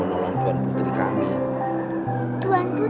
jangan lupa untuk berikan duit